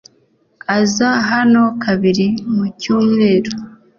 Aza hano kabiri mu cyumweru .